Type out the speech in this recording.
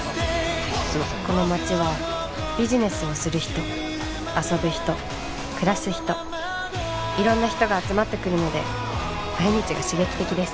「この街はビジネスをする人遊ぶ人暮らす人色んな人が集まってくるので毎日が刺激的です」